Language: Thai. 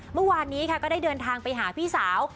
เมื่อวานนี้ค่ะก็ได้เดินทางไปหาพี่สาว